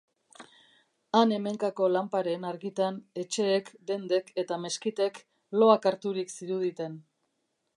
Han-hemenkako lanparen argitan, etxeek, dendek eta meskitek loakarturik ziruditen.